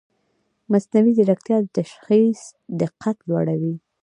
مصنوعي ځیرکتیا د تشخیص دقت لوړوي.